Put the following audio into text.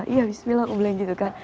iya bismillah aku bilang gitu kan